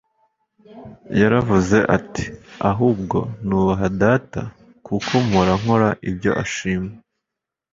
Yaravuze ati : «Ahubwo nubaha Data, kuko mpora nkora ibyo ashima. »